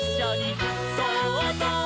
「そうぞう！」